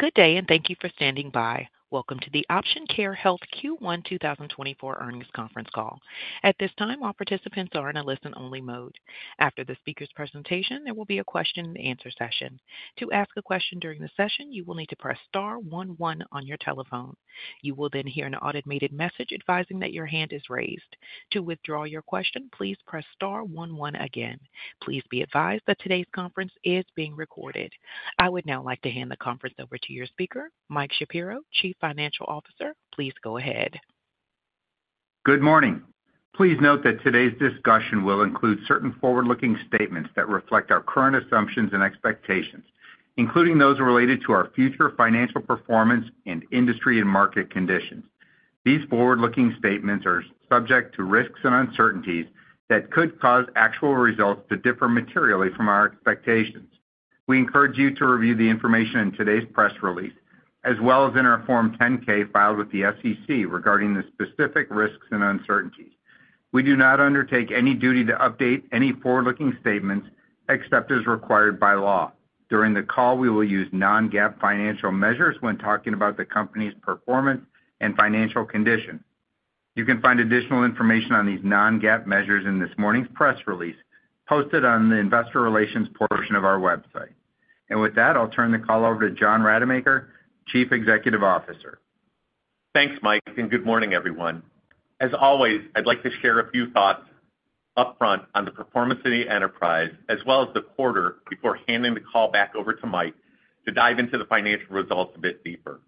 Good day, and thank you for standing by. Welcome to the Option Care Health Q1 2024 Earnings Conference Call. At this time, all participants are in a listen-only mode. After the speaker's presentation, there will be a question-and-answer session. To ask a question during the session, you will need to press star one one on your telephone. You will then hear an automated message advising that your hand is raised. To withdraw your question, please press star one one again. Please be advised that today's conference is being recorded. I would now like to hand the conference over to your speaker, Mike Shapiro, Chief Financial Officer. Please go ahead. Good morning. Please note that today's discussion will include certain forward-looking statements that reflect our current assumptions and expectations, including those related to our future financial performance and industry and market conditions. These forward-looking statements are subject to risks and uncertainties that could cause actual results to differ materially from our expectations. We encourage you to review the information in today's press release, as well as in our Form 10-K filed with the SEC regarding the specific risks and uncertainties. We do not undertake any duty to update any forward-looking statements except as required by law. During the call, we will use non-GAAP financial measures when talking about the company's performance and financial conditions. You can find additional information on these non-GAAP measures in this morning's press release posted on the investor relations portion of our website. With that, I'll turn the call over to John Rademacher, Chief Executive Officer. Thanks, Mike, and good morning, everyone. As always, I'd like to share a few thoughts upfront on the performance of the enterprise, as well as the quarter before handing the call back over to Mike to dive into the financial results a bit deeper.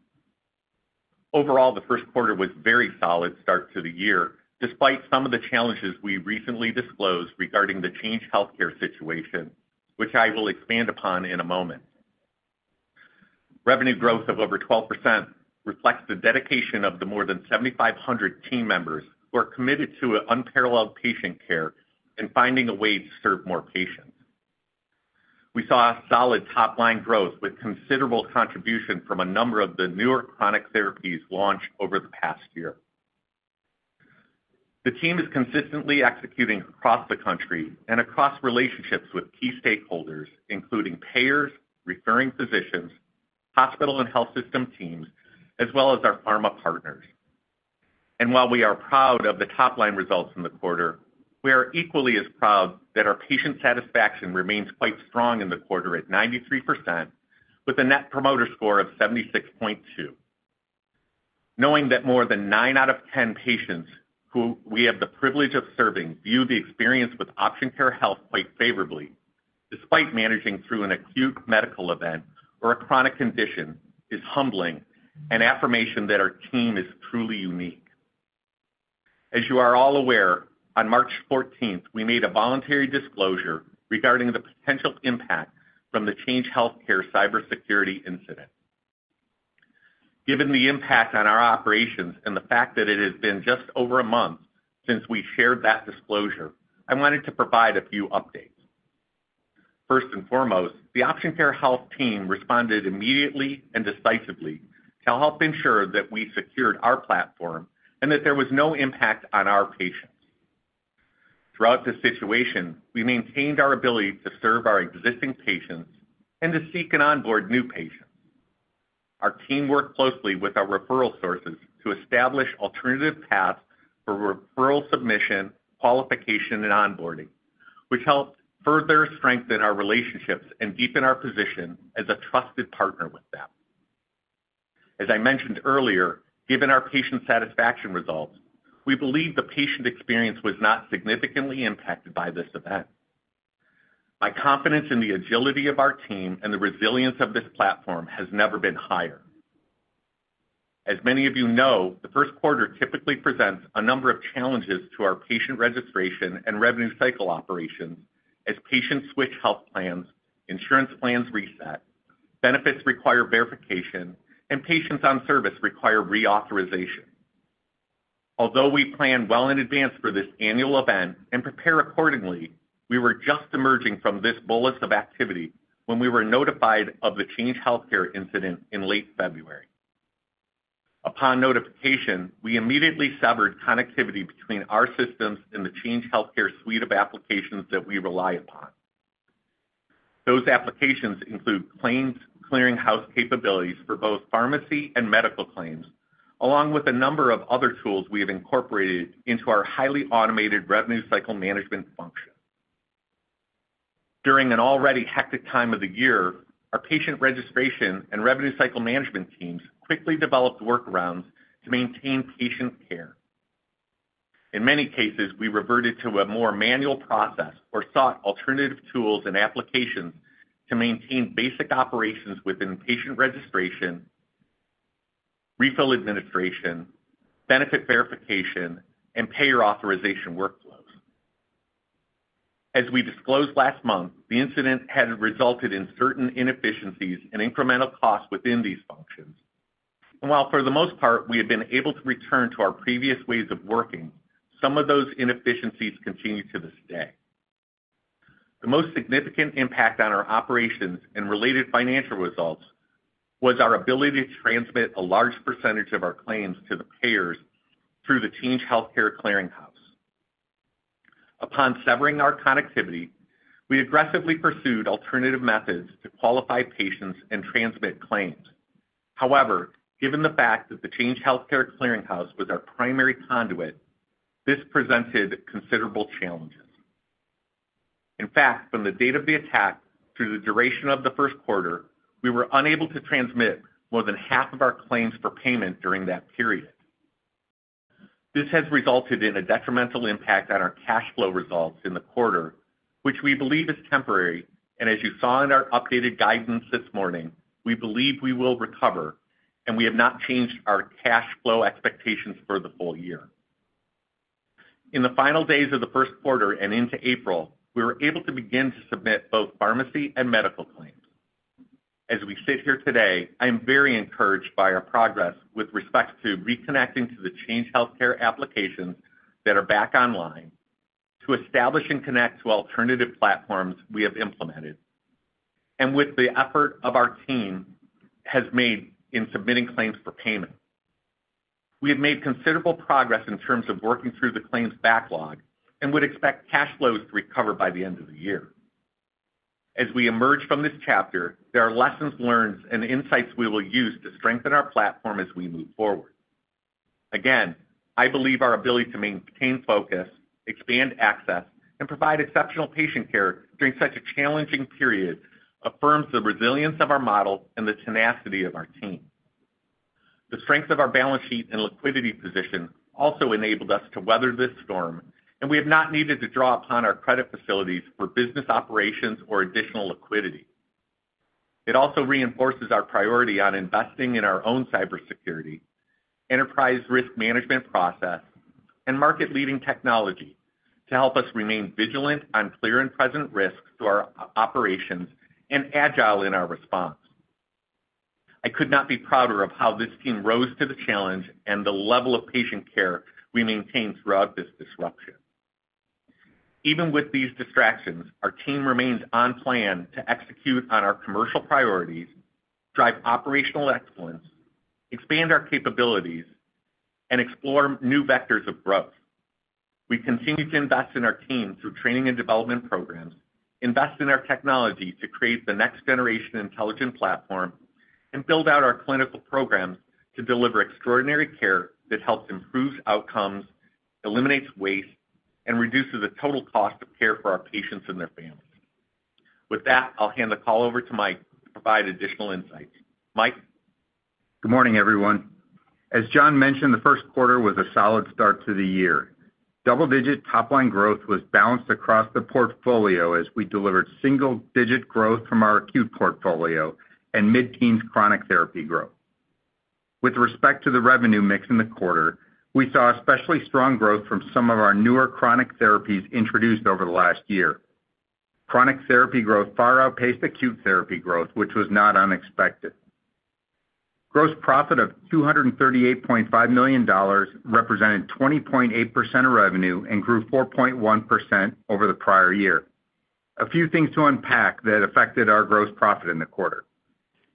Overall, the first quarter was a very solid start to the year, despite some of the challenges we recently disclosed regarding the Change Healthcare situation, which I will expand upon in a moment. Revenue growth of over 12% reflects the dedication of the more than 7,500 team members who are committed to unparalleled patient care and finding a way to serve more patients. We saw solid top-line growth with considerable contribution from a number of the newer chronic therapies launched over the past year. The team is consistently executing across the country and across relationships with key stakeholders, including payers, referring physicians, hospital and health system teams, as well as our pharma partners. And while we are proud of the top-line results in the quarter, we are equally as proud that our patient satisfaction remains quite strong in the quarter at 93%, with a Net Promoter Score of 76.2. Knowing that more than nine out of 10 patients who we have the privilege of serving view the experience with Option Care Health quite favorably, despite managing through an acute medical event or a chronic condition, is humbling and affirmation that our team is truly unique. As you are all aware, on March 14th, we made a voluntary disclosure regarding the potential impact from the Change Healthcare cybersecurity incident. Given the impact on our operations and the fact that it has been just over a month since we shared that disclosure, I wanted to provide a few updates. First and foremost, the Option Care Health team responded immediately and decisively to help ensure that we secured our platform and that there was no impact on our patients. Throughout the situation, we maintained our ability to serve our existing patients and to seek and onboard new patients. Our team worked closely with our referral sources to establish alternative paths for referral submission, qualification, and onboarding, which helped further strengthen our relationships and deepen our position as a trusted partner with them. As I mentioned earlier, given our patient satisfaction results, we believe the patient experience was not significantly impacted by this event. My confidence in the agility of our team and the resilience of this platform has never been higher. As many of you know, the first quarter typically presents a number of challenges to our patient registration and revenue cycle operations as patients switch health plans, insurance plans reset, benefits require verification, and patients on service require reauthorization. Although we planned well in advance for this annual event and prepared accordingly, we were just emerging from this bolus of activity when we were notified of the Change Healthcare incident in late-February. Upon notification, we immediately severed connectivity between our systems and the Change Healthcare suite of applications that we rely upon. Those applications include claims clearinghouse capabilities for both pharmacy and medical claims, along with a number of other tools we have incorporated into our highly automated revenue cycle management function. During an already hectic time of the year, our patient registration and revenue cycle management teams quickly developed workarounds to maintain patient care. In many cases, we reverted to a more manual process or sought alternative tools and applications to maintain basic operations within patient registration, refill administration, benefit verification, and payer authorization workflows. As we disclosed last month, the incident had resulted in certain inefficiencies and incremental costs within these functions. And while for the most part we had been able to return to our previous ways of working, some of those inefficiencies continue to this day. The most significant impact on our operations and related financial results was our ability to transmit a large percentage of our claims to the payers through the Change Healthcare clearinghouse. Upon severing our connectivity, we aggressively pursued alternative methods to qualify patients and transmit claims. However, given the fact that the Change Healthcare clearinghouse was our primary conduit, this presented considerable challenges. In fact, from the date of the attack through the duration of the first quarter, we were unable to transmit more than half of our claims for payment during that period. This has resulted in a detrimental impact on our cash flow results in the quarter, which we believe is temporary. As you saw in our updated guidance this morning, we believe we will recover, and we have not changed our cash flow expectations for the full year. In the final days of the first quarter and into April, we were able to begin to submit both pharmacy and medical claims. As we sit here today, I am very encouraged by our progress with respect to reconnecting to the Change Healthcare applications that are back online to establish and connect to alternative platforms we have implemented. With the effort of our team has made in submitting claims for payment. We have made considerable progress in terms of working through the claims backlog and would expect cash flows to recover by the end of the year. As we emerge from this chapter, there are lessons learned and insights we will use to strengthen our platform as we move forward. Again, I believe our ability to maintain focus, expand access, and provide exceptional patient care during such a challenging period affirms the resilience of our model and the tenacity of our team. The strength of our balance sheet and liquidity position also enabled us to weather this storm, and we have not needed to draw upon our credit facilities for business operations or additional liquidity. It also reinforces our priority on investing in our own cybersecurity, enterprise risk management process, and market-leading technology to help us remain vigilant on clear and present risks to our operations and agile in our response. I could not be prouder of how this team rose to the challenge and the level of patient care we maintained throughout this disruption. Even with these distractions, our team remains on plan to execute on our commercial priorities, drive operational excellence, expand our capabilities, and explore new vectors of growth. We continue to invest in our team through training and development programs, invest in our technology to create the next generation intelligent platform, and build out our clinical programs to deliver extraordinary care that helps improve outcomes, eliminates waste, and reduces the total cost of care for our patients and their families. With that, I'll hand the call over to Mike to provide additional insights. Mike? Good morning, everyone. As John mentioned, the first quarter was a solid start to the year. Double-digit top-line growth was balanced across the portfolio as we delivered single-digit growth from our acute portfolio and mid-teens chronic therapy growth. With respect to the revenue mix in the quarter, we saw especially strong growth from some of our newer chronic therapies introduced over the last year. Chronic therapy growth far outpaced acute therapy growth, which was not unexpected. Gross profit of $238.5 million represented 20.8% of revenue and grew 4.1% over the prior year. A few things to unpack that affected our gross profit in the quarter.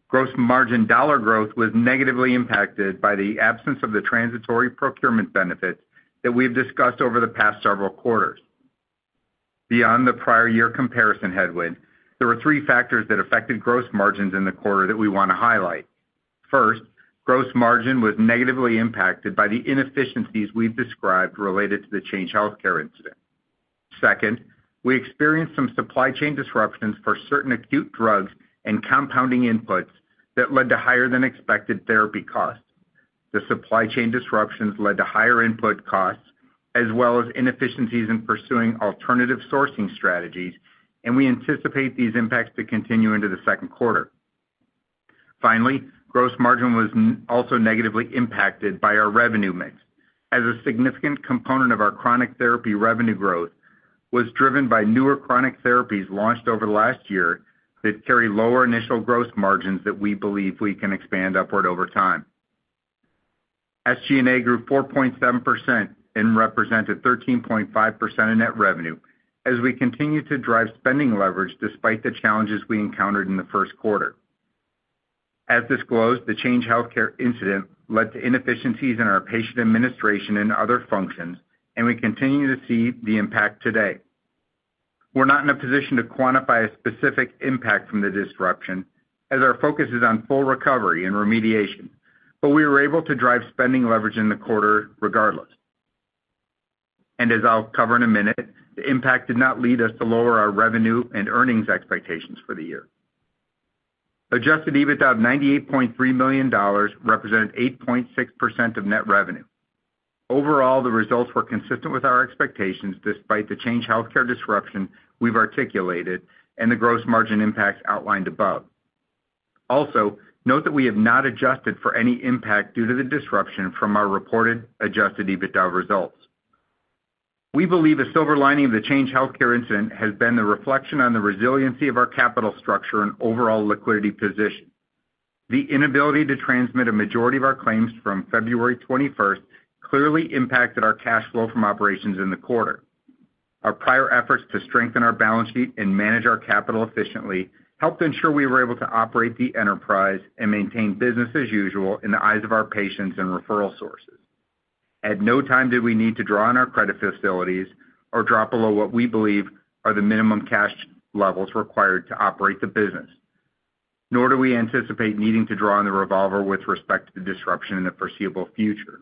Gross margin dollar growth was negatively impacted by the absence of the transitory procurement benefits that we have discussed over the past several quarters. Beyond the prior year comparison headwind, there were three factors that affected gross margins in the quarter that we want to highlight. First, gross margin was negatively impacted by the inefficiencies we've described related to the Change Healthcare incident. Second, we experienced some supply chain disruptions for certain acute drugs and compounding inputs that led to higher-than-expected therapy costs. The supply chain disruptions led to higher input costs, as well as inefficiencies in pursuing alternative sourcing strategies, and we anticipate these impacts to continue into the second quarter. Finally, gross margin was also negatively impacted by our revenue mix, as a significant component of our chronic therapy revenue growth was driven by newer chronic therapies launched over the last year that carry lower initial gross margins that we believe we can expand upward over time. SG&A grew 4.7% and represented 13.5% of net revenue as we continue to drive spending leverage despite the challenges we encountered in the first quarter. As disclosed, the Change Healthcare incident led to inefficiencies in our patient administration and other functions, and we continue to see the impact today. We're not in a position to quantify a specific impact from the disruption, as our focus is on full recovery and remediation, but we were able to drive spending leverage in the quarter regardless. As I'll cover in a minute, the impact did not lead us to lower our revenue and earnings expectations for the year. Adjusted EBITDA of $98.3 million represented 8.6% of net revenue. Overall, the results were consistent with our expectations despite the Change Healthcare disruption we've articulated and the gross margin impacts outlined above. Also, note that we have not adjusted for any impact due to the disruption from our reported adjusted EBITDA results. We believe a silver lining of the Change Healthcare incident has been the reflection on the resiliency of our capital structure and overall liquidity position. The inability to transmit a majority of our claims from February 21st clearly impacted our cash flow from operations in the quarter. Our prior efforts to strengthen our balance sheet and manage our capital efficiently helped ensure we were able to operate the enterprise and maintain business as usual in the eyes of our patients and referral sources. At no time did we need to draw on our credit facilities or drop below what we believe are the minimum cash levels required to operate the business, nor do we anticipate needing to draw on the revolver with respect to the disruption in the foreseeable future.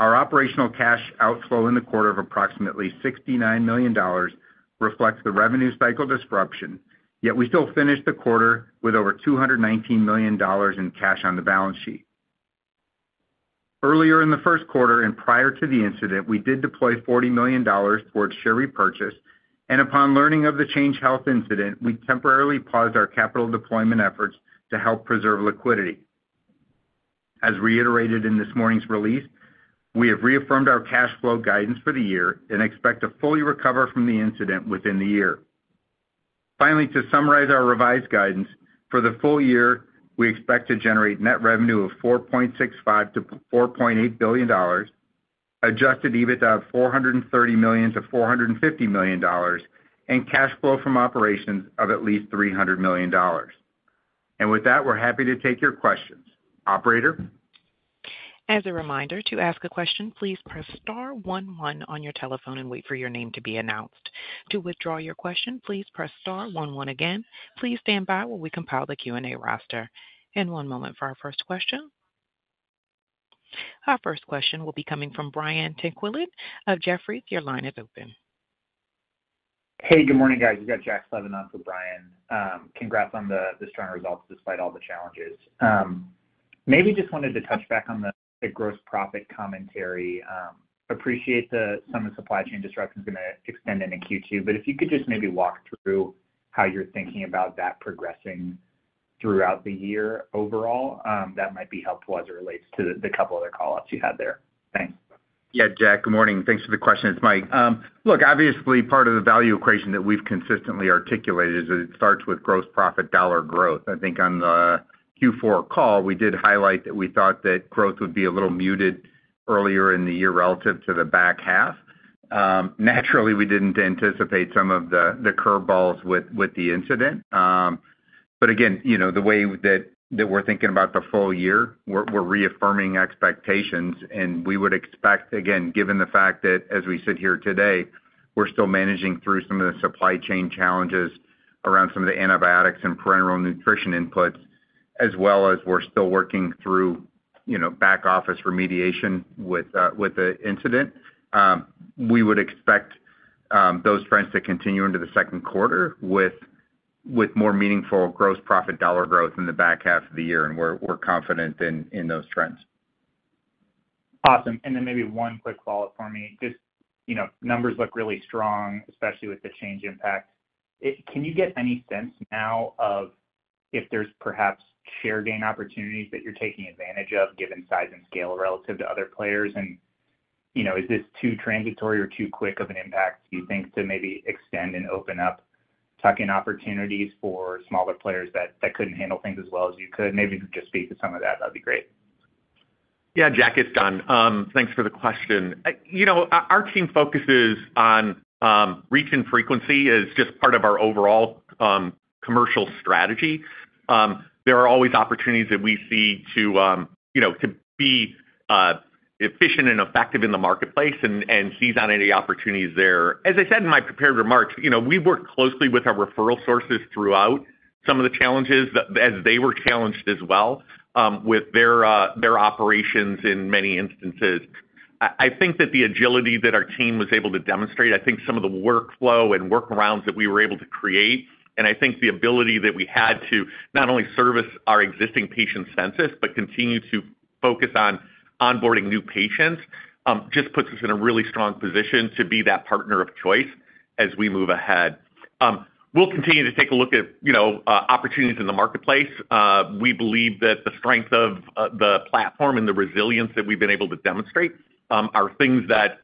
Our operational cash outflow in the quarter of approximately $69 million reflects the revenue cycle disruption, yet we still finished the quarter with over $219 million in cash on the balance sheet. Earlier in the first quarter and prior to the incident, we did deploy $40 million towards share repurchase, and upon learning of the Change Health incident, we temporarily paused our capital deployment efforts to help preserve liquidity. As reiterated in this morning's release, we have reaffirmed our cash flow guidance for the year and expect to fully recover from the incident within the year. Finally, to summarize our revised guidance, for the full year, we expect to generate net revenue of $4.65-$4.8 billion, adjusted EBITDA of $430-$450 million, and cash flow from operations of at least $300 million. And with that, we're happy to take your questions. Operator? As a reminder, to ask a question, please press star one one on your telephone and wait for your name to be announced. To withdraw your question, please press star one one again. Please stand by while we compile the Q&A roster. One moment for our first question. Our first question will be coming from Brian Tanquilut of Jefferies. Your line is open. Hey, good morning, guys. You got Jack Slevin on for Brian. Congrats on the strong results despite all the challenges. Maybe just wanted to touch back on the gross profit commentary. Appreciate that some of the supply chain disruption is going to extend into Q2, but if you could just maybe walk through how you're thinking about that progressing throughout the year overall, that might be helpful as it relates to the couple other call-ups you had there. Thanks. Yeah, Jack, good morning. Thanks for the questions. Mike. Look, obviously, part of the value equation that we've consistently articulated is that it starts with gross profit dollar growth. I think on the Q4 call, we did highlight that we thought that growth would be a little muted earlier in the year relative to the back half. Naturally, we didn't anticipate some of the curveballs with the incident. But again, the way that we're thinking about the full year, we're reaffirming expectations. We would expect, again, given the fact that as we sit here today, we're still managing through some of the supply chain challenges around some of the antibiotics and parenteral nutrition inputs, as well as we're still working through back-office remediation with the incident, those trends to continue into the second quarter with more meaningful gross profit dollar growth in the back half of the year. We're confident in those trends. Awesome. And then maybe one quick follow-up for me. Just numbers look really strong, especially with the Change impact. Can you get any sense now of if there's perhaps share gain opportunities that you're taking advantage of given size and scale relative to other players? And is this too transitory or too quick of an impact, do you think, to maybe extend and open up tuck-in opportunities for smaller players that couldn't handle things as well as you could? Maybe if you could just speak to some of that, that'd be great. Yeah, Jack, it's done. Thanks for the question. Our team focuses on reach and frequency as just part of our overall commercial strategy. There are always opportunities that we see to be efficient and effective in the marketplace and seize on any opportunities there. As I said in my prepared remarks, we've worked closely with our referral sources throughout some of the challenges as they were challenged as well with their operations in many instances. I think that the agility that our team was able to demonstrate, I think some of the workflow and workarounds that we were able to create, and I think the ability that we had to not only service our existing patient census but continue to focus on onboarding new patients just puts us in a really strong position to be that partner of choice as we move ahead. We'll continue to take a look at opportunities in the marketplace. We believe that the strength of the platform and the resilience that we've been able to demonstrate are things that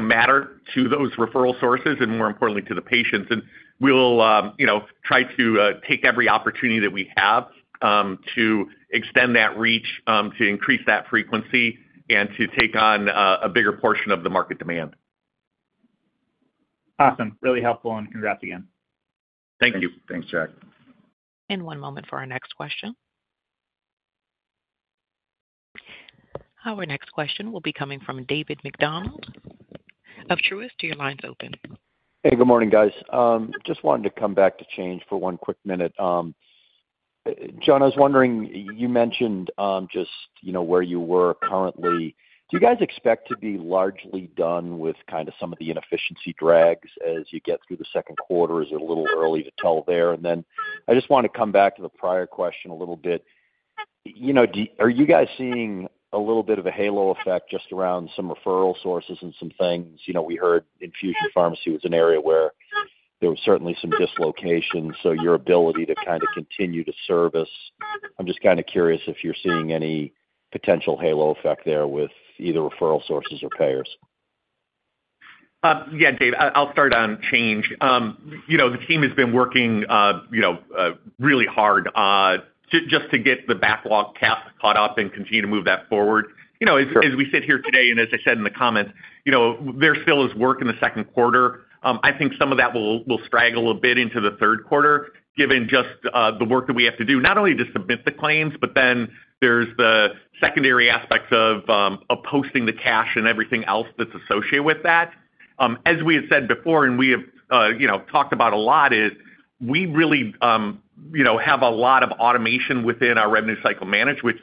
matter to those referral sources and, more importantly, to the patients. We'll try to take every opportunity that we have to extend that reach, to increase that frequency, and to take on a bigger portion of the market demand. Awesome. Really helpful, and congrats again. Thank you. Thanks, Jack. One moment for our next question. Our next question will be coming from David MacDonald of Truist. Your line's open. Hey, good morning, guys. Just wanted to come back to Change for one quick minute. John, I was wondering, you mentioned just where you were currently. Do you guys expect to be largely done with kind of some of the inefficiency drags as you get through the second quarter? Is it a little early to tell there? And then I just want to come back to the prior question a little bit. Are you guys seeing a little bit of a halo effect just around some referral sources and some things? We heard infusion pharmacy was an area where there was certainly some dislocation, so your ability to kind of continue to service. I'm just kind of curious if you're seeing any potential halo effect there with either referral sources or payers. Yeah, Dave, I'll start on change. The team has been working really hard just to get the backlog caught up and continue to move that forward. As we sit here today, and as I said in the comments, there still is work in the second quarter. I think some of that will straggle a bit into the third quarter given just the work that we have to do, not only to submit the claims, but then there's the secondary aspects of posting the cash and everything else that's associated with that. As we had said before, and we have talked about a lot, is we really have a lot of automation within our revenue cycle management, which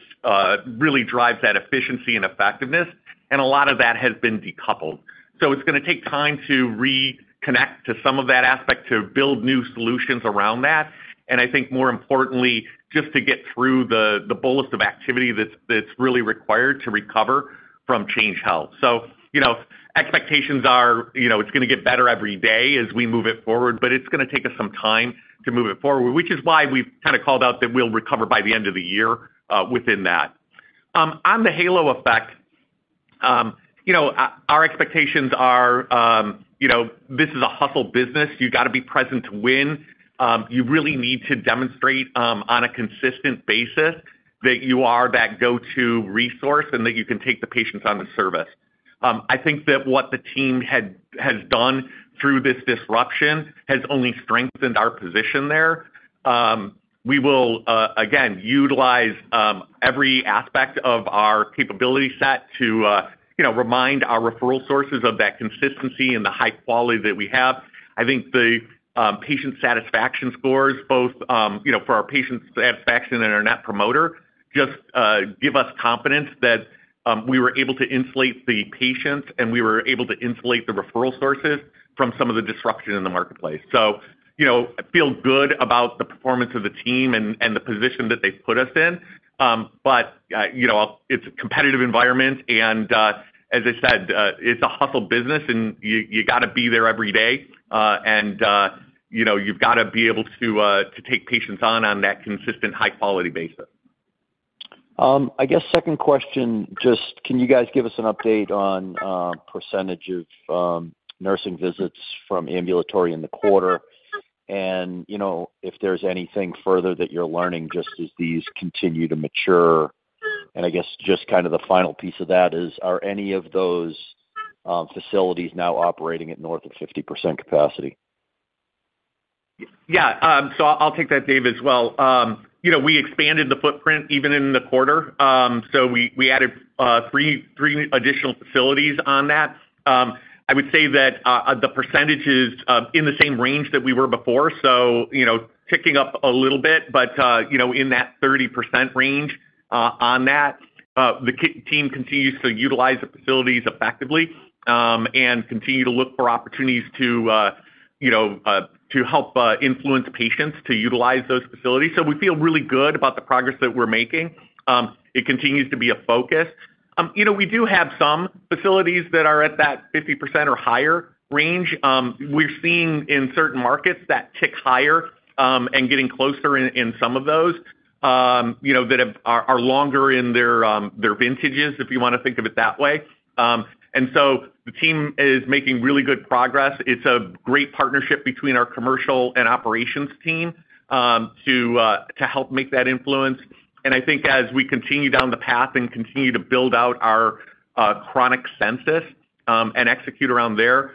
really drives that efficiency and effectiveness. And a lot of that has been decoupled. So it's going to take time to reconnect to some of that aspect, to build new solutions around that, and I think, more importantly, just to get through the bulkiest of activity that's really required to recover from Change Health. So expectations are it's going to get better every day as we move it forward, but it's going to take us some time to move it forward, which is why we've kind of called out that we'll recover by the end of the year within that. On the halo effect, our expectations are this is a hustle business. You've got to be present to win. You really need to demonstrate on a consistent basis that you are that go-to resource and that you can take the patients on to service. I think that what the team has done through this disruption has only strengthened our position there. We will, again, utilize every aspect of our capability set to remind our referral sources of that consistency and the high quality that we have. I think the patient satisfaction scores, both for our patient satisfaction and our net promoter, just give us confidence that we were able to insulate the patients and we were able to insulate the referral sources from some of the disruption in the marketplace. So feel good about the performance of the team and the position that they've put us in. But it's a competitive environment, and as I said, it's a hustle business, and you've got to be there every day. And you've got to be able to take patients on that consistent, high-quality basis. I guess second question, just can you guys give us an update on percentage of nursing visits from ambulatory in the quarter and if there's anything further that you're learning just as these continue to mature? I guess just kind of the final piece of that is, are any of those facilities now operating at north of 50% capacity? Yeah. So I'll take that, Dave, as well. We expanded the footprint even in the quarter, so we added three additional facilities on that. I would say that the percentage is in the same range that we were before, so ticking up a little bit, but in that 30%-range on that. The team continues to utilize the facilities effectively and continue to look for opportunities to help influence patients to utilize those facilities. So we feel really good about the progress that we're making. It continues to be a focus. We do have some facilities that are at that 50% or higher range. We're seeing in certain markets that tick higher and getting closer in some of those that are longer in their vintages, if you want to think of it that way. And so the team is making really good progress. It's a great partnership between our commercial and operations team to help make that influence. I think as we continue down the path and continue to build out our chronic census and execute around there,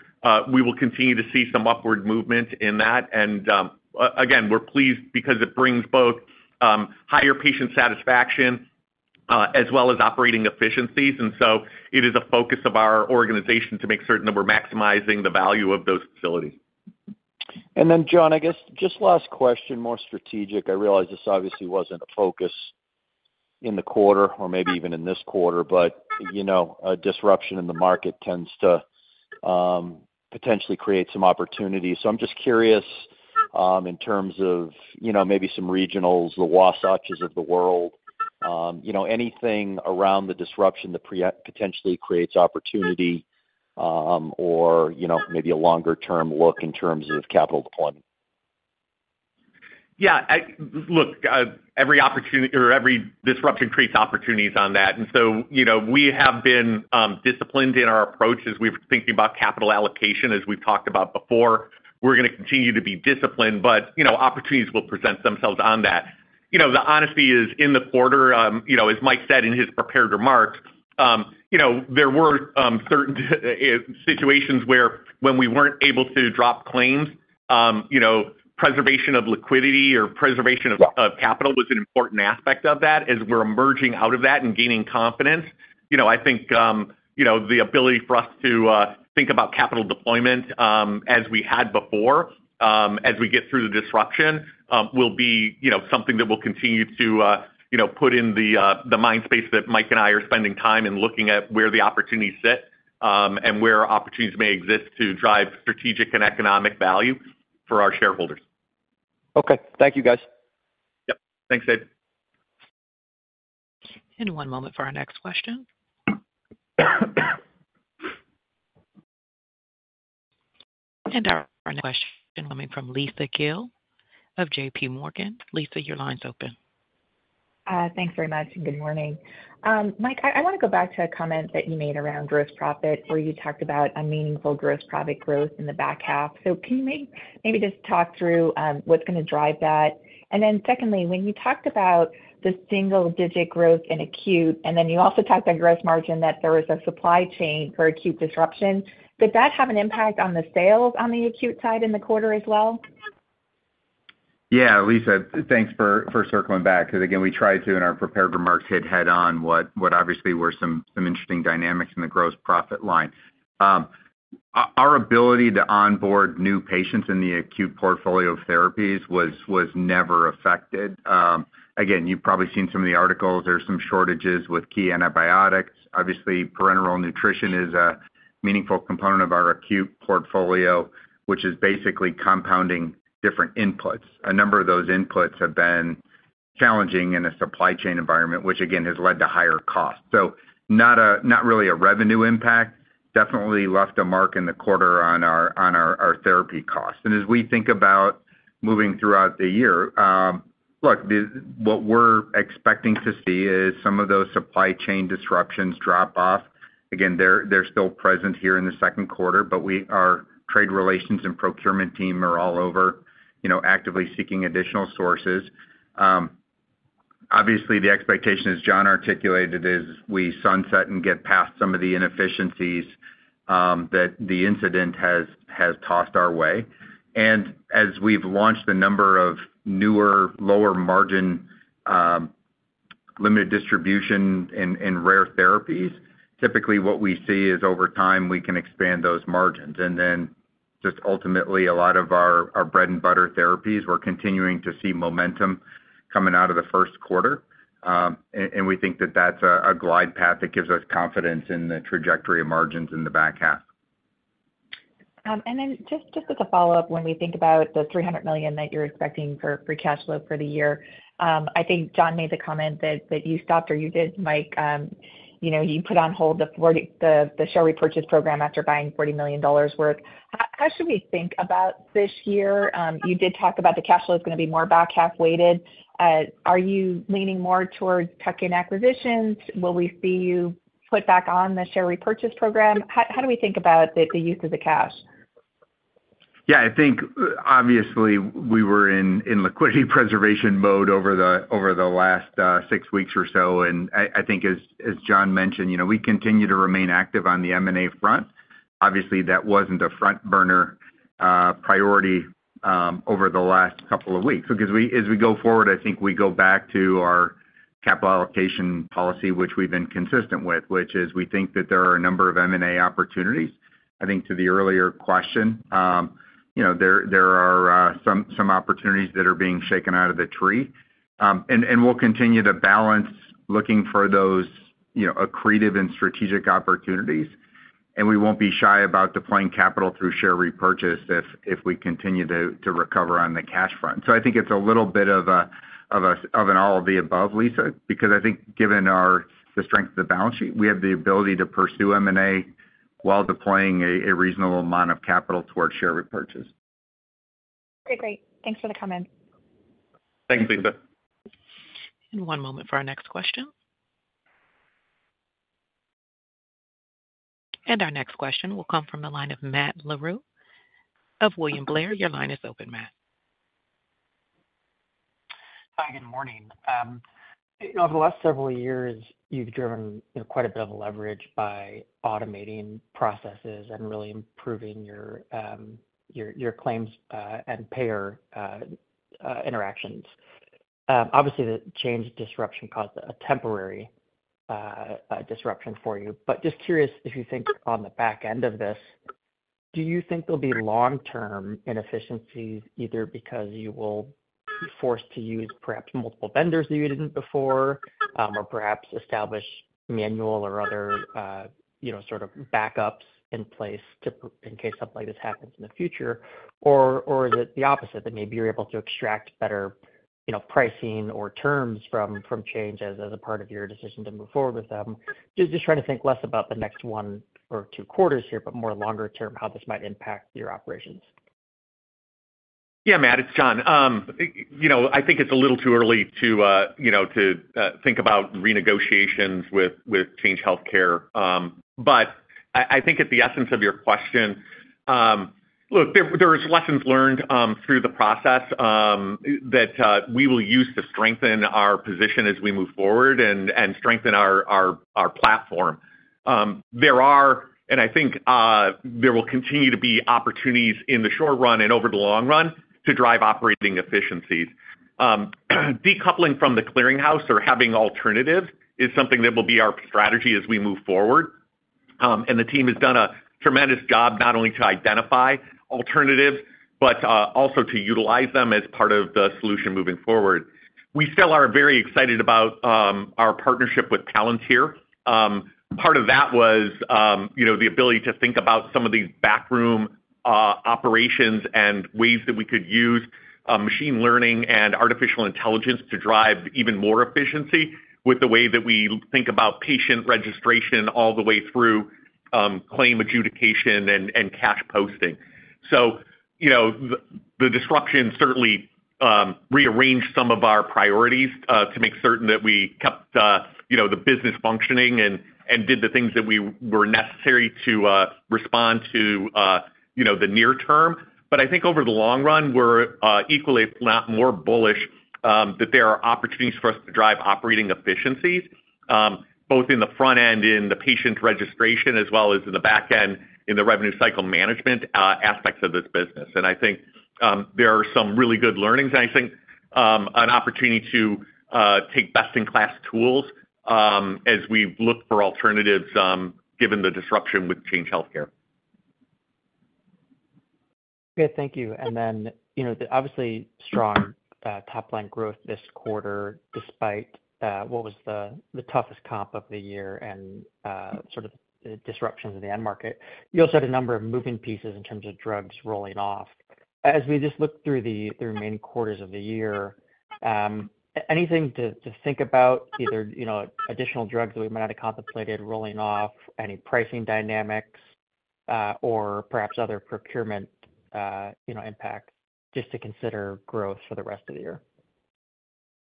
we will continue to see some upward movement in that. Again, we're pleased because it brings both higher patient satisfaction as well as operating efficiencies. So it is a focus of our organization to make certain that we're maximizing the value of those facilities. Then, John, I guess just last question, more strategic. I realize this obviously wasn't a focus in the quarter or maybe even in this quarter, but a disruption in the market tends to potentially create some opportunities. I'm just curious in terms of maybe some regionals, the Wasatches of the world, anything around the disruption that potentially creates opportunity or maybe a longer-term look in terms of capital deployment. Yeah. Look, every disruption creates opportunities on that. And so we have been disciplined in our approach as we've been thinking about capital allocation, as we've talked about before. We're going to continue to be disciplined, but opportunities will present themselves on that. The honesty is in the quarter. As Mike said in his prepared remarks, there were certain situations where when we weren't able to drop claims, preservation of liquidity or preservation of capital was an important aspect of that. As we're emerging out of that and gaining confidence, I think the ability for us to think about capital deployment as we had before as we get through the disruption will be something that will continue to put in the mindspace that Mike and I are spending time in looking at where the opportunities sit and where opportunities may exist to drive strategic and economic value for our shareholders. Okay. Thank you, guys. Yep. Thanks, David. One moment for our next question. Our next question coming from Lisa Gill of JPMorgan. Lisa, your line's open. Thanks very much. Good morning. Mike, I want to go back to a comment that you made around gross profit where you talked about a meaningful gross profit growth in the back half. So can you maybe just talk through what's going to drive that? And then secondly, when you talked about the single-digit growth in acute, and then you also talked about gross margin, that there was a supply chain for acute disruption. Did that have an impact on the sales on the acute side in the quarter as well? Yeah, Lisa. Thanks for circling back because, again, we tried to in our prepared remarks hit head-on what obviously were some interesting dynamics in the gross profit line. Our ability to onboard new patients in the acute portfolio of therapies was never affected. Again, you've probably seen some of the articles. There are some shortages with key antibiotics. Obviously, parenteral nutrition is a meaningful component of our acute portfolio, which is basically compounding different inputs. A number of those inputs have been challenging in a supply chain environment, which, again, has led to higher costs. So not really a revenue impact, definitely left a mark in the quarter on our therapy costs. And as we think about moving throughout the year, look, what we're expecting to see is some of those supply chain disruptions drop off. Again, they're still present here in the second quarter, but our trade relations and procurement team are all over actively seeking additional sources. Obviously, the expectation, as John articulated, is we sunset and get past some of the inefficiencies that the incident has tossed our way. And as we've launched a number of newer, lower-margin, limited distribution in rare therapies, typically what we see is over time, we can expand those margins. And then just ultimately, a lot of our bread and butter therapies, we're continuing to see momentum coming out of the first quarter. And we think that that's a glide path that gives us confidence in the trajectory of margins in the back half. Then just as a follow-up, when we think about the $300 million that you're expecting for free cash flow for the year, I think John made the comment that you stopped or you did, Mike. You put on hold the share repurchase program after buying $40 million worth. How should we think about this year? You did talk about the cash flow is going to be more back-half weighted. Are you leaning more towards tuck-in acquisitions? Will we see you put back on the share repurchase program? How do we think about the use of the cash? Yeah. I think, obviously, we were in liquidity preservation mode over the last six weeks or so. I think, as John mentioned, we continue to remain active on the M&A front. Obviously, that wasn't a front-burner priority over the last couple of weeks. Because as we go forward, I think we go back to our capital allocation policy, which we've been consistent with, which is we think that there are a number of M&A opportunities. I think to the earlier question, there are some opportunities that are being shaken out of the tree. We'll continue to balance looking for those accretive and strategic opportunities. We won't be shy about deploying capital through share repurchase if we continue to recover on the cash front. I think it's a little bit of an all of the above, Lisa, because I think given the strength of the balance sheet, we have the ability to pursue M&A while deploying a reasonable amount of capital towards share repurchase. Okay. Great. Thanks for the comment. Thanks, Lisa. One moment for our next question. Our next question will come from the line of Matt Larew of William Blair. Your line is open, Matt. Hi. Good morning. Over the last several years, you've driven quite a bit of leverage by automating processes and really improving your claims and payer interactions. Obviously, the Change disruption caused a temporary disruption for you. But just curious if you think on the back end of this, do you think there'll be long-term inefficiencies either because you will be forced to use perhaps multiple vendors that you didn't before or perhaps establish manual or other sort of backups in place in case something like this happens in the future? Or is it the opposite, that maybe you're able to extract better pricing or terms from Change as a part of your decision to move forward with them? Just trying to think less about the next one or two quarters here, but more longer-term, how this might impact your operations. Yeah, Matt. It's John. I think it's a little too early to think about renegotiations with Change Healthcare. But I think at the essence of your question, look, there are lessons learned through the process that we will use to strengthen our position as we move forward and strengthen our platform. And I think there will continue to be opportunities in the short run and over the long run to drive operating efficiencies. Decoupling from the clearinghouse or having alternatives is something that will be our strategy as we move forward. And the team has done a tremendous job not only to identify alternatives, but also to utilize them as part of the solution moving forward. We still are very excited about our partnership with Palantir. Part of that was the ability to think about some of these backroom operations and ways that we could use machine learning and artificial intelligence to drive even more efficiency with the way that we think about patient registration all the way through claim adjudication and cash posting. So the disruption certainly rearranged some of our priorities to make certain that we kept the business functioning and did the things that were necessary to respond to the near term. But I think over the long run, we're equally, if not more, bullish that there are opportunities for us to drive operating efficiencies both in the front end in the patient registration as well as in the back end in the revenue cycle management aspects of this business. And I think there are some really good learnings. I think an opportunity to take best-in-class tools as we've looked for alternatives given the disruption with Change Healthcare. Good. Thank you. And then obviously, strong top-line growth this quarter despite what was the toughest comp of the year and sort of the disruptions in the end market. You also had a number of moving pieces in terms of drugs rolling off. As we just look through the remaining quarters of the year, anything to think about, either additional drugs that we might not have contemplated rolling off, any pricing dynamics, or perhaps other procurement impacts just to consider growth for the rest of the year?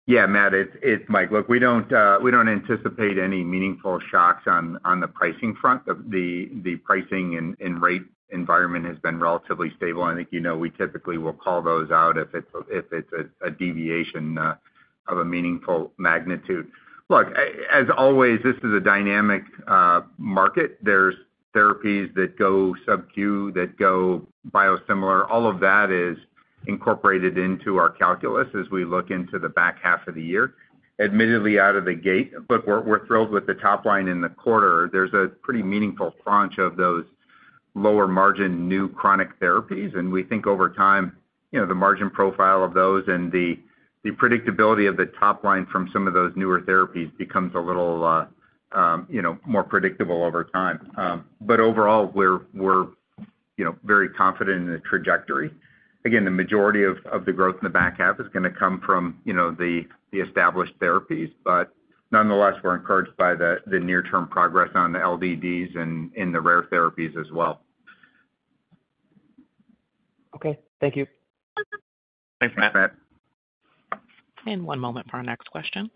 Yeah, Matt. It's Mike. Look, we don't anticipate any meaningful shocks on the pricing front. The pricing and rate environment has been relatively stable. I think we typically will call those out if it's a deviation of a meaningful magnitude. Look, as always, this is a dynamic market. There's therapies that go sub-Q, that go biosimilar. All of that is incorporated into our calculus as we look into the back half of the year. Admittedly, out of the gate, look, we're thrilled with the top line in the quarter. There's a pretty meaningful tranche of those lower-margin new chronic therapies. And we think over time, the margin profile of those and the predictability of the top line from some of those newer therapies becomes a little more predictable over time. But overall, we're very confident in the trajectory. Again, the majority of the growth in the back half is going to come from the established therapies. But nonetheless, we're encouraged by the near-term progress on the LDDs and in the rare therapies as well. Okay. Thank you. Thanks, Matt. Thanks, Matt. One moment for our next question.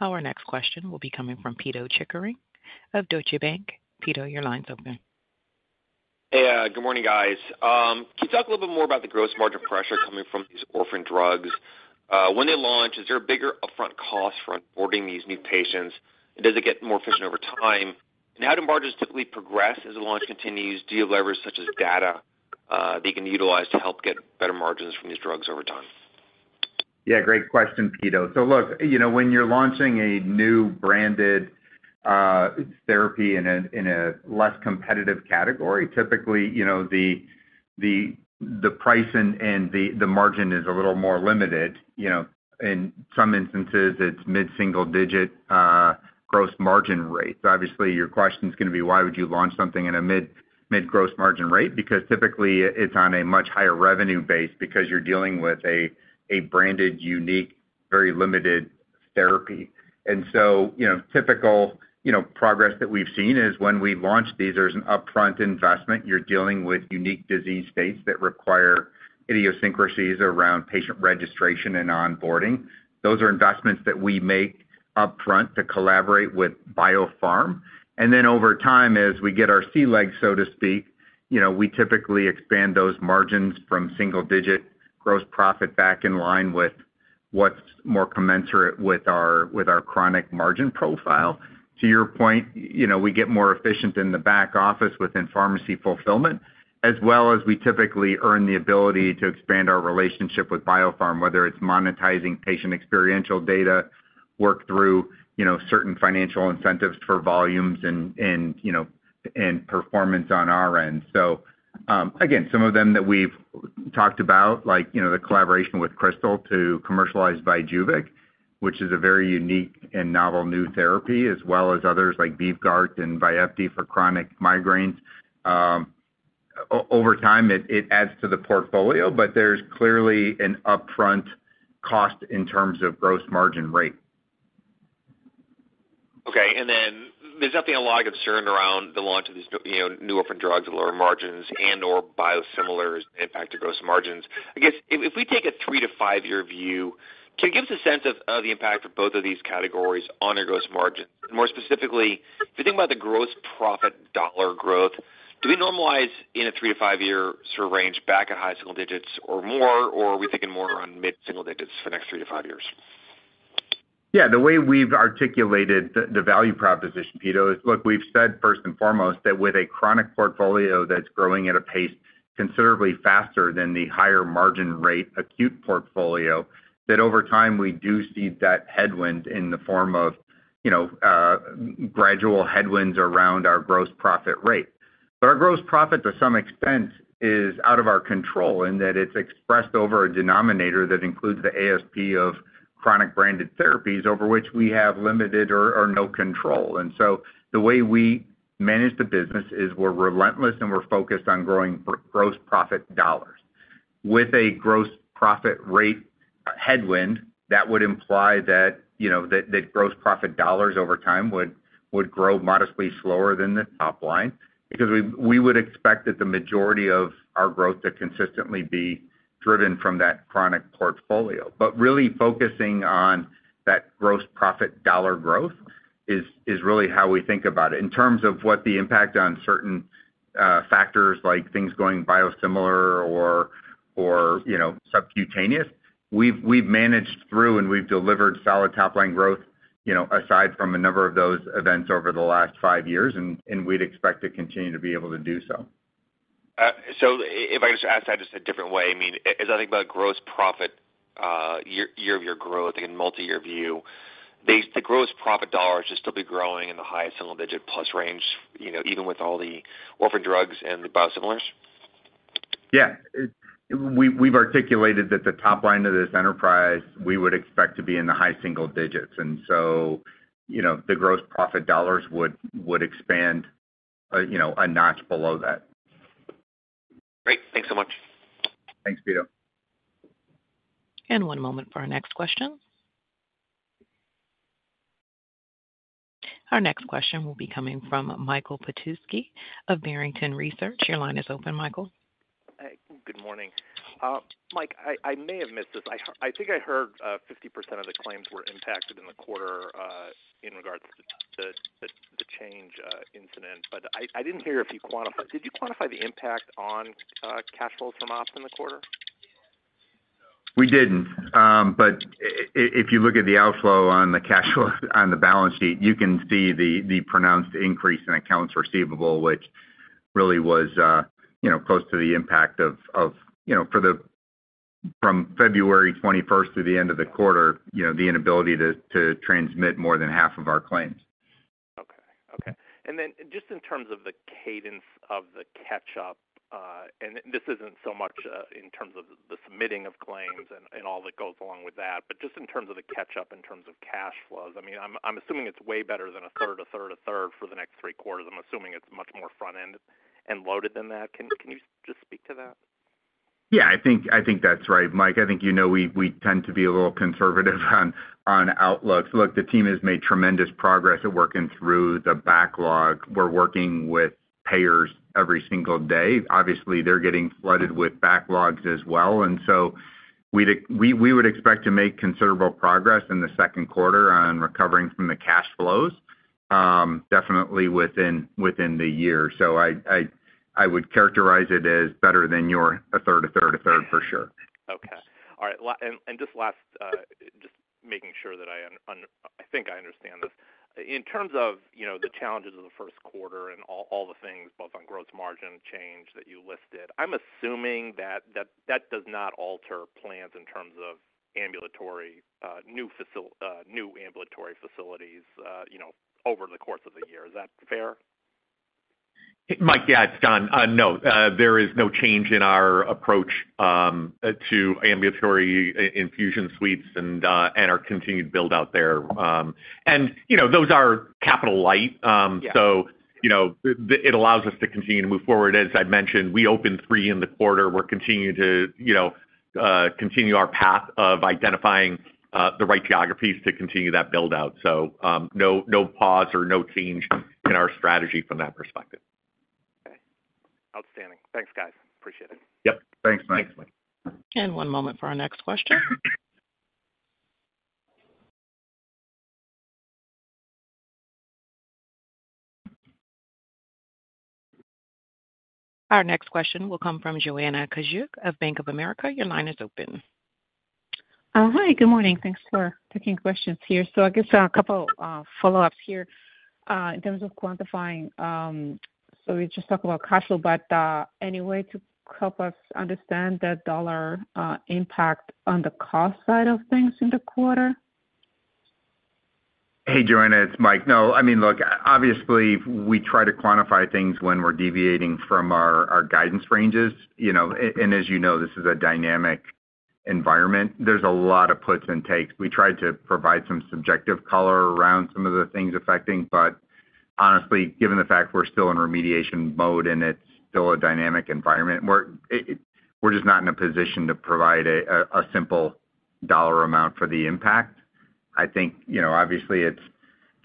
Our next question will be coming from Pito Chickering of Deutsche Bank. Pito, your line's open. Hey. Good morning, guys. Can you talk a little bit more about the gross margin pressure coming from these orphan drugs? When they launch, is there a bigger upfront cost for onboarding these new patients? Does it get more efficient over time? How do margins typically progress as the launch continues? Do you have leverage such as data that you can utilize to help get better margins from these drugs over time? Yeah. Great question, Pito. So look, when you're launching a new branded therapy in a less competitive category, typically, the price and the margin is a little more limited. In some instances, it's mid-single-digit gross margin rate. Obviously, your question is going to be, why would you launch something at a mid-gross-margin rate? Because typically, it's on a much higher revenue base because you're dealing with a branded, unique, very-limited therapy. And so typical progress that we've seen is when we launch these, there's an upfront investment. You're dealing with unique disease states that require idiosyncrasies around patient registration and onboarding. Those are investments that we make upfront to collaborate with biopharma. And then over time, as we get our sea legs, so to speak, we typically expand those margins from single-digit gross profit back in line with what's more commensurate with our chronic margin profile. To your point, we get more efficient in the back office within pharmacy fulfillment, as well as we typically earn the ability to expand our relationship with biopharma, whether it's monetizing patient experiential data, work through certain financial incentives for volumes and performance on our end. So again, some of them that we've talked about, like the collaboration with Krystal to commercialize VYJUVEK, which is a very unique and novel new therapy, as well as others like VYVGART and VYEPTI for chronic migraines. Over time, it adds to the portfolio, but there's clearly an upfront cost in terms of gross margin rate. Okay. And then there's definitely a lot of concern around the launch of these new orphan drugs at lower margins and/or biosimilars that impact your gross margins. I guess if we take a three-to-five-year view, can you give us a sense of the impact of both of these categories on your gross margins? And more specifically, if you think about the gross profit dollar growth, do we normalize in a three-to-five-year sort of range back at high single-digits or more? Or are we thinking more on mid-single-digits for the next three to five years? Yeah. The way we've articulated the value proposition, Pito, is look, we've said first and foremost that with a chronic portfolio that's growing at a pace considerably faster than the higher-margin rate acute portfolio, that over time, we do see that headwind in the form of gradual headwinds around our gross profit rate. But our gross profit, to some extent, is out of our control in that it's expressed over a denominator that includes the ASP of chronic branded therapies over which we have limited or no control. And so the way we manage the business is we're relentless and we're focused on growing gross profit dollars. With a gross profit rate headwind, that would imply that gross profit dollars over time would grow modestly slower than the top line because we would expect that the majority of our growth to consistently be driven from that chronic portfolio. Really focusing on that gross profit dollar growth is really how we think about it. In terms of what the impact on certain factors like things going biosimilar or subcutaneous, we've managed through and we've delivered solid top-line growth aside from a number of those events over the last five years. We'd expect to continue to be able to do so. So if I could just ask that just a different way, I mean, as I think about gross profit, year-over-year growth in a multi-year view, the gross profit dollars should still be growing in the high single-digit+ range even with all the orphan drugs and the biosimilars? Yeah. We've articulated that the top line of this enterprise, we would expect to be in the high single-digits. And so the gross profit dollars would expand a notch below that. Great. Thanks so much. Thanks, Pito. One moment for our next question. Our next question will be coming from Michael Petusky of Barrington Research. Your line is open, Michael. Good morning. Mike, I may have missed this. I think I heard 50% of the claims were impacted in the quarter in regards to the Change incident. But I didn't hear if you quantified did you quantify the impact on cash flows from Ops in the quarter? We didn't. But if you look at the outflow on the cash flow on the balance sheet, you can see the pronounced increase in accounts receivable, which really was close to the impact of, from February 21st through the end of the quarter, the inability to transmit more than half of our claims. Okay. Okay. And then just in terms of the cadence of the catch-up and this isn't so much in terms of the submitting of claims and all that goes along with that, but just in terms of the catch-up in terms of cash flows, I mean, I'm assuming it's way better than a third, a third, a third for the next three quarters. I'm assuming it's much more front-end and loaded than that. Can you just speak to that? Yeah. I think that's right, Mike. I think we tend to be a little conservative on outlooks. Look, the team has made tremendous progress at working through the backlog. We're working with payers every single day. Obviously, they're getting flooded with backlogs as well. And so we would expect to make considerable progress in the second quarter on recovering from the cash flows, definitely within the year. So I would characterize it as better than your a third, a third, a third, for sure. Okay. All right. And just last, just making sure that I think I understand this. In terms of the challenges of the first quarter and all the things, both on gross margin and change that you listed, I'm assuming that that does not alter plans in terms of new ambulatory facilities over the course of the year. Is that fair? Mike, yeah, it's done. No, there is no change in our approach to ambulatory infusion suites and our continued build-out there. And those are capital light. So it allows us to continue to move forward. As I mentioned, we opened three in the quarter. We're continuing to continue our path of identifying the right geographies to continue that build-out. So no pause or no change in our strategy from that perspective. Okay. Outstanding. Thanks, guys. Appreciate it. Yep. Thanks, Mike. Thanks, Mike. One moment for our next question. Our next question will come from Joanna Gajuk of Bank of America. Your line is open. Hi. Good morning. Thanks for taking questions here. I guess a couple of follow-ups here. In terms of quantifying, so we just talked about cash flow. But any way to help us understand that dollar impact on the cost side of things in the quarter? Hey, Joanna. It's Mike. No, I mean, look, obviously, we try to quantify things when we're deviating from our guidance ranges. As you know, this is a dynamic environment. There's a lot of puts and takes. We try to provide some subjective color around some of the things affecting. But honestly, given the fact we're still in remediation mode and it's still a dynamic environment, we're just not in a position to provide a simple dollar amount for the impact. I think, obviously, it's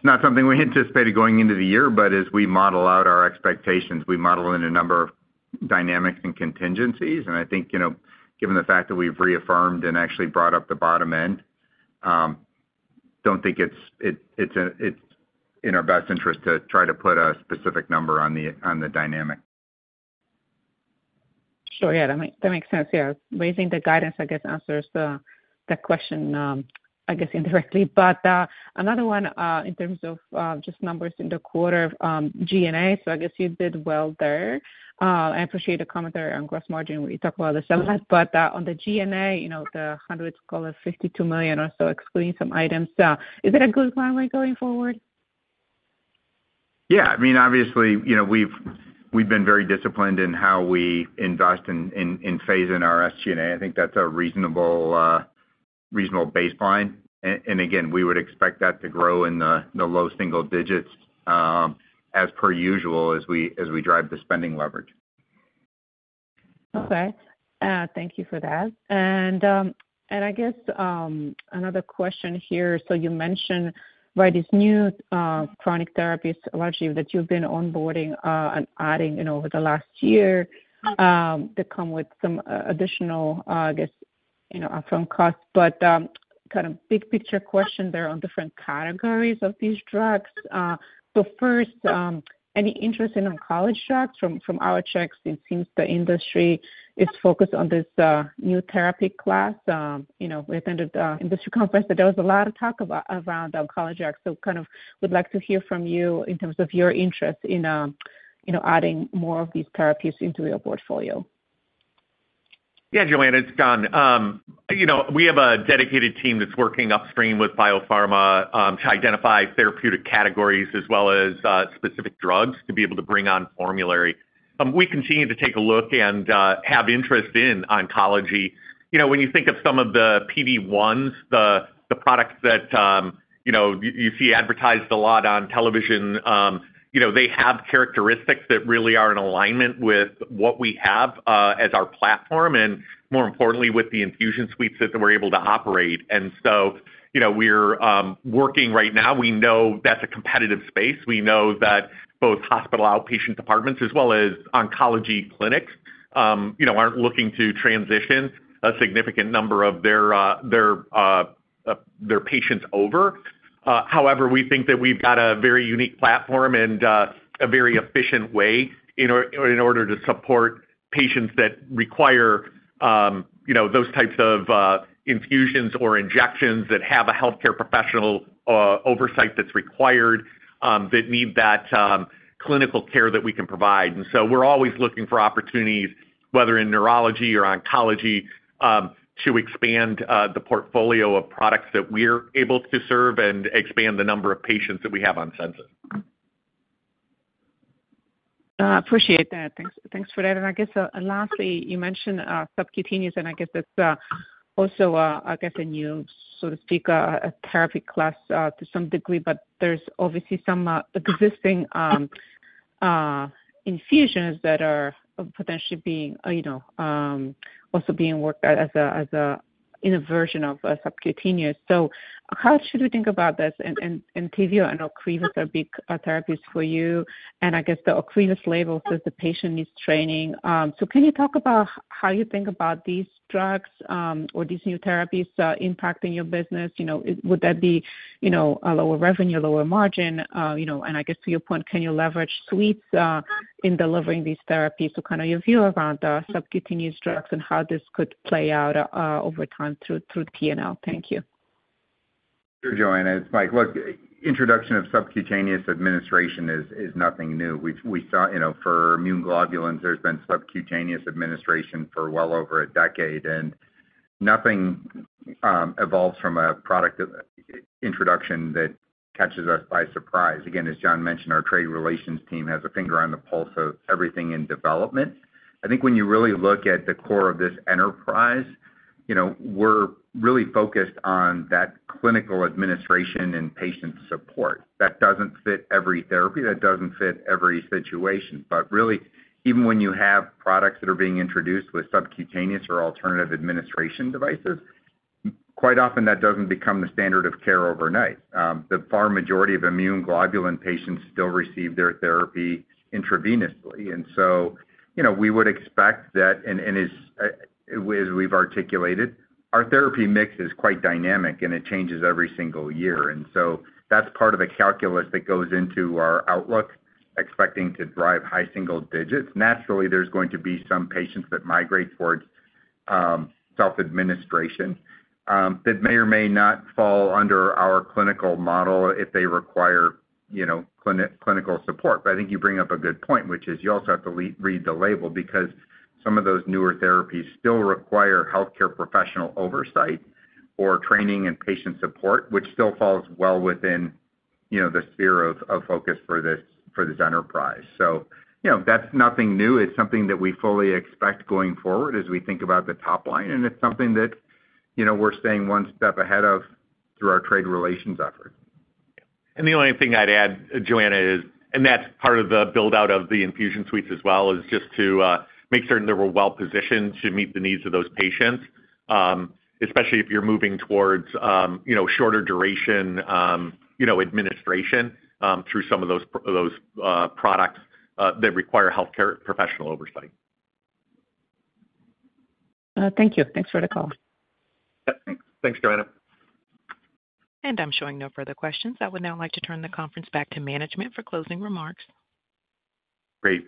not something we anticipated going into the year. But as we model out our expectations, we model in a number of dynamics and contingencies. I think given the fact that we've reaffirmed and actually brought up the bottom-end, I don't think it's in our best interest to try to put a specific number on the dynamic. Sure. Yeah. That makes sense. Yeah. Raising the guidance, I guess, answers that question, I guess, indirectly. But another one, in terms of just numbers in the quarter, G&A. So I guess you did well there. I appreciate the commentary on gross margin where you talk about the color. But on the G&A, the hundreds of dollars, $52 million or so, excluding some items. Is that a good runway going forward? Yeah. I mean, obviously, we've been very-disciplined in how we invest in phasing our SG&A. I think that's a reasonable baseline. Again, we would expect that to grow in the low single-digits as per usual as we drive the spending leverage. Okay. Thank you for that. I guess another question here. So you mentioned these new chronic therapies, largely that you've been onboarding and adding over the last year that come with some additional, I guess, upfront costs. But kind of big-picture question there on different categories of these drugs. So first, any interest in oncology drugs? From our checks, it seems the industry is focused on this new therapy class. We attended the industry conference, but there was a lot of talk around oncology drugs. So kind of would like to hear from you in terms of your interest in adding more of these therapies into your portfolio. Yeah, Joanna. It's done. We have a dedicated team that's working upstream with biopharma to identify therapeutic categories as well as specific drugs to be able to bring on formulary. We continue to take a look and have interest in oncology. When you think of some of the PD-1s, the products that you see advertised a lot on television, they have characteristics that really are in alignment with what we have as our platform and, more importantly, with the infusion suites that we're able to operate. And so we're working right now. We know that's a competitive space. We know that both hospital outpatient departments as well as oncology clinics aren't looking to transition a significant number of their patients over. However, we think that we've got a very unique platform and a very efficient way in order to support patients that require those types of infusions or injections that have a healthcare professional oversight that's required, that need that clinical care that we can provide. And so we're always looking for opportunities, whether in neurology or oncology, to expand the portfolio of products that we're able to serve and expand the number of patients that we have on census. I appreciate that. Thanks for that. And I guess lastly, you mentioned subcutaneous. And I guess that's also, I guess, a new, so to speak, therapy class to some degree. But there's obviously some existing infusions that are potentially also being worked as a version of subcutaneous. So how should we think about this? And Entyvio and Ocrevus are big therapies for you. And I guess the Ocrevus label says the patient needs training. So can you talk about how you think about these drugs or these new therapies impacting your business? Would that be a lower revenue, lower margin? And I guess to your point, can you leverage suites in delivering these therapies? So kind of your view around subcutaneous drugs and how this could play out over time through the P&L. Thank you. Sure, Joanna. It's Mike. Look, introduction of subcutaneous administration is nothing new. We saw for immune globulins, there's been subcutaneous administration for well over a decade. And nothing evolves from a product introduction that catches us by surprise. Again, as John mentioned, our trade relations team has a finger on the pulse of everything in development. I think when you really look at the core of this enterprise, we're really focused on that clinical administration and patient support. That doesn't fit every therapy. That doesn't fit every situation. But really, even when you have products that are being introduced with subcutaneous or alternative administration devices, quite often, that doesn't become the standard of care overnight. The far majority of immune globulin patients still receive their therapy intravenously. And so we would expect that and as we've articulated, our therapy mix is quite dynamic, and it changes every single year. That's part of the calculus that goes into our outlook, expecting to drive high single-digits. Naturally, there's going to be some patients that migrate towards self-administration that may or may not fall under our clinical model if they require clinical support. But I think you bring up a good point, which is you also have to read the label because some of those newer therapies still require healthcare professional oversight or training and patient support, which still falls well within the sphere of focus for this enterprise. So that's nothing new. It's something that we fully expect going forward as we think about the top line. And it's something that we're staying one step ahead of through our trade relations effort. The only thing I'd add, Joanna, is and that's part of the build-out of the infusion suites as well, is just to make certain they were well-positioned to meet the needs of those patients, especially if you're moving towards shorter-duration administration through some of those products that require healthcare professional oversight. Thank you. Thanks for the call. Yep. Thanks, Joanna. I'm showing no further questions. I would now like to turn the conference back to management for closing remarks. Great.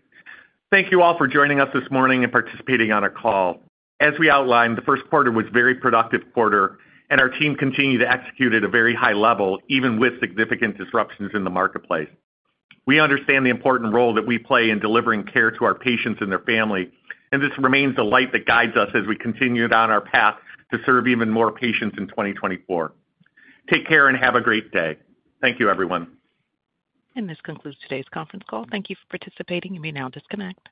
Thank you all for joining us this morning and participating on our call. As we outlined, the first quarter was a very productive quarter, and our team continued to execute at a very-high level, even with significant disruptions in the marketplace. We understand the important role that we play in delivering care to our patients and their family. And this remains the light that guides us as we continue down our path to serve even more patients in 2024. Take care and have a great day. Thank you, everyone. This concludes today's conference call. Thank you for participating. You may now disconnect.